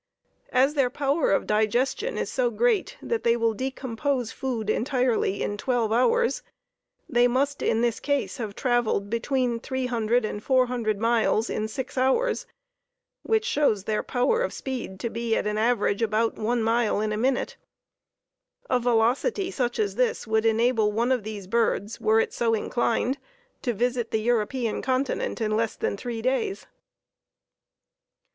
As their power of digestion is so great that they will decompose food entirely in twelve hours, they must in this case have traveled between three hundred and four hundred miles in six hours, which shows their power of speed to be at an average about one mile in a minute. A velocity such as this would enable one of these birds, were it so inclined, to visit the European continent in less than three days.